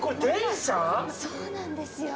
そうなんですよ。